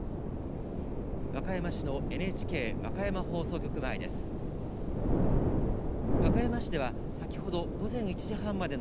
和歌山市のＮＨＫ和歌山放送局前です。